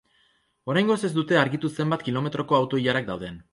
Oraingoz ez dute argitu zenbat kilometroko auto ilarak dauden.